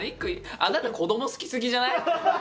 あなた、子ども好きすぎじゃない？